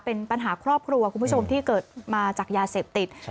เป็นปัญหาครอบครัวที่เกิดมาจากยาเสพติด